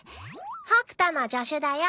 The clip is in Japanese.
北斗の助手だよ。